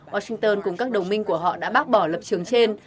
washington cùng các đồng minh của họ đã bác bỏ lập trường trên